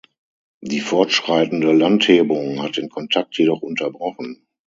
Die fortschreitende Landhebung hat den Kontakt jedoch unterbrochen.